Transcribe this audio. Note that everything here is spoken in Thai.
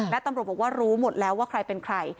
และตำรวจบอกว่ารู้หมดแล้วว่าใครเป็นใคร